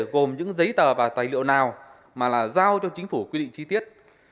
gồm những giấy tờ và tài liệu nào mà là giao cho chính phủ quy định chi tiết